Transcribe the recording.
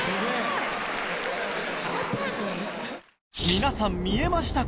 皆さん見えましたか？